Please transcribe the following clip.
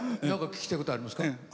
何か聞きたいことありますか？